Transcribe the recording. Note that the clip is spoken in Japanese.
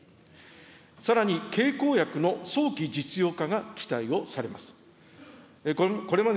さらに、経口薬の早期実用化が期待をされます。